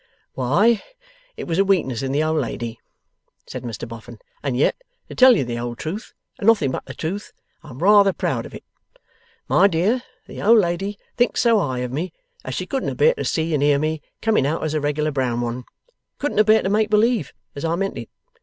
'Why, it was a weakness in the old lady,' said Mr Boffin; 'and yet, to tell you the whole truth and nothing but the truth, I'm rather proud of it. My dear, the old lady thinks so high of me that she couldn't abear to see and hear me coming out as a reg'lar brown one. Couldn't abear to make believe as I meant it!